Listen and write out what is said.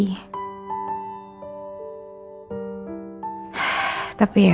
bikin berempat dan coba